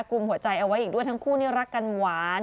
กลุ่มหัวใจเอาไว้อีกด้วยทั้งคู่นี่รักกันหวาน